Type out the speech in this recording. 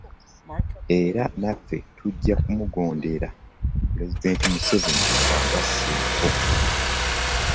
Era naffe, tujja kumugondera, Pulezidenti Museveni bw'agasseeko.